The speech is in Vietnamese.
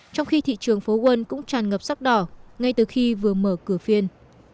trong khi thị trường phố quân cũng tràn ngập sắc đỏ ngay từ khi vừa mở cửa phiên